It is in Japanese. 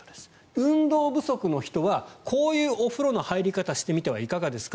運動不足の人はこういうお風呂の入り方をしてみてはいかがですか。